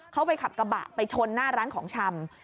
เขาไปขับกระบะไปชนหน้าร้านของชำ